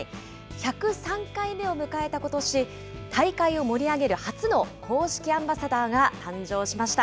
１０３回目を迎えたことし、大会を盛り上げる初の公式アンバサダーが誕生しました。